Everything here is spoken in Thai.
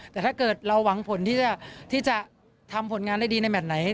แต่ถ้าเกิดเราหวังผลที่จะทำผลงานได้ดีในแมทไหน